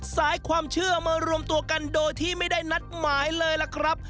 สายความเชื่อมารวมตัวกันโดยที่ไม่ได้นัดหมายเลยล่ะครับ